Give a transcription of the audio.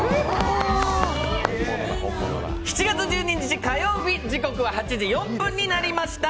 ７月１２日火曜日時刻は８時４分になりました。